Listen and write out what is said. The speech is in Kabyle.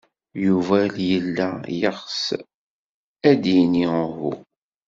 Yuba yella yeɣs ad d-yini uhu.